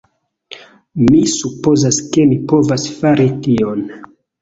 Mi supozas ke mi povas fari tion!